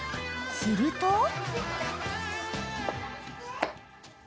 ［すると］